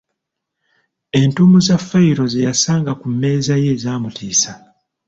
Entuumu za fayiro ze yasanga ku mmeeza ye zaamutiisa.!